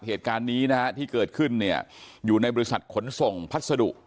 เหตุการณ์นี้นะฮะที่เกิดขึ้นเนี่ยอยู่ในบริษัทขนส่งพัสดุ